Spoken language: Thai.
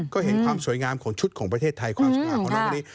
ก็เห็นความสวยงามของชุดของประเทศไทยความสวยงามของน้องคนนี้